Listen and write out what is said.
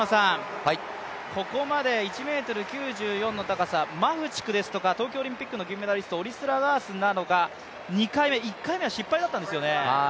ここまで１ｍ９４の高さ、マフチクですとか東京オリンピックの銀メダリスト、オリスラガースなどが１回目は失敗だったんですよね。